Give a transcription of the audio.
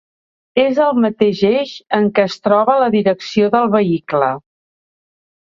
És el mateix eix en què es troba la direcció del vehicle.